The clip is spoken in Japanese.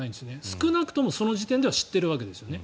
少なくともその時点では知っているわけですよね。